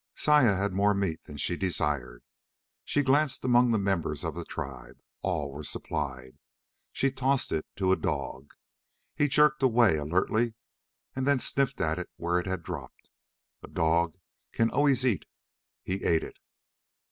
Saya had more meat than she desired. She glanced among the members of the tribe. All were supplied. She tossed it to a dog. He jerked away alertly, and then sniffed at it where it had dropped. A dog can always eat. He ate it.